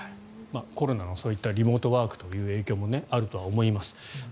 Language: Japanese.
コロナのそういったリモートワークという影響もあると思います。